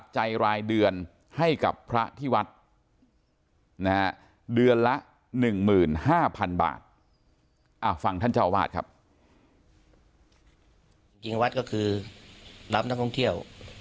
จริงวัดก็คือรับนักท่องเที่ยว